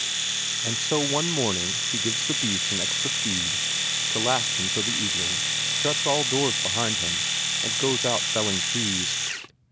And so one morning he gives the beasts an extra feed, to last them till the evening, shuts all doors behind him, and goes out felling trees.